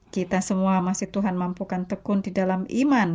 kita semua masih tuhan mampukan tekun di dalam iman